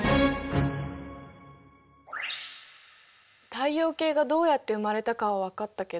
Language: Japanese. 太陽系がどうやって生まれたかは分かったけど。